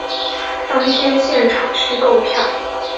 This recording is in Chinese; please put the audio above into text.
当天现场须购票